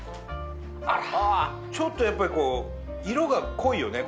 ちょっとやっぱり色が濃いよね。